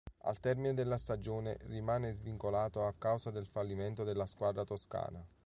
Al termine della stagione rimane svincolato a causa del fallimento della squadra toscana.